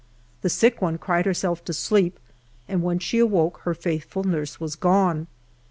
The sick one cried herself to sleep, and when she awoke her faithful nurse was gone.